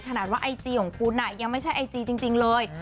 ขนาดว่าไอจีของคุณยังไม่ใช่ไอจีจริงเลย